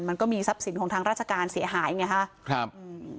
มันก็มีทรัพย์สินของทางราชการเสียหายอย่างเงี้ยค่ะครับ